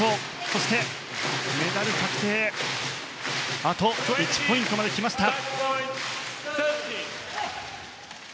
そして、メダル確定へあと１ポイントまで来ました。